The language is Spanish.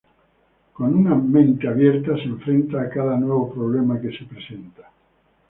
Con una "mente abierta" se enfrenta a cada nuevo problema que se presenta.